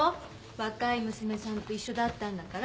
若い娘さんと一緒だったんだから。